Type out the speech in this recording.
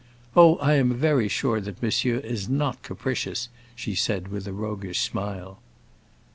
"Oh, I am very sure that monsieur is not capricious," she said with a roguish smile.